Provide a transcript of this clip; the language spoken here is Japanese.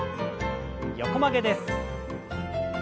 横曲げです。